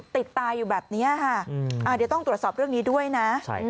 ติดตาอยู่แบบนี้ค่ะเดี๋ยวต้องตรวจสอบเรื่องนี้ด้วยนะ